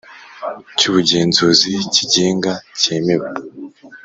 Cy ubugenzuzi kigenga cyemewe